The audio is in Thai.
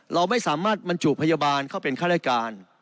เราไม่สามารถบรรจุพยาบาลเข้าเป็นข้ารายการ